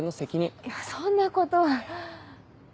いやそんなことは。